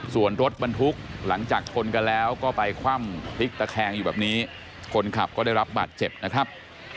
ส่วนรถบรรทุกหลังจากชนกันแล้วก็ไปคว่ำพลิกตะแคงอยู่แบบนี้คนขับก็ได้รับบาดเจ็บนะครับ